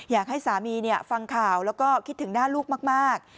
อยากให้สามีฟังข่าวแล้วก็คิดถึงหน้าลูกมาก